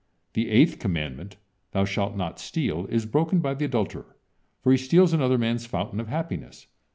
The eighth commandment: "Thou shalt not steal," is broken by the adulterer, for he steals another man's fountain of happiness.